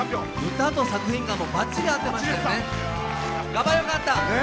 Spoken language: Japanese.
歌と作品がばっちり合ってましたね。